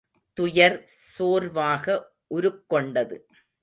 துயர் சோர்வாக உருக்கொண்டது.